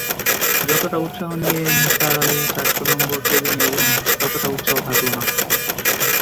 যতটা উৎসাহ নিয়ে নিসার আলি চারশো নম্বর কেবিনে এলেন ততটা উৎসাহ থাকল না।